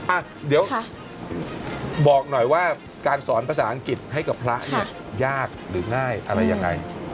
อ่ะเดี๋ยวบอกหน่อยว่าการสอนภาษาอังกฤษให้กับพระเนี่ยยากหรือง่ายอะไรยังไง